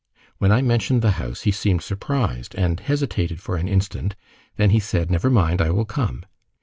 When I mentioned the house, he seemed surprised and hesitated for an instant, then he said: 'Never mind, I will come.